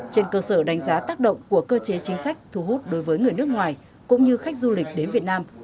trên cơ sở đánh giá tác động của cơ chế chính sách thu hút đối với người nước ngoài cũng như khách du lịch đến việt nam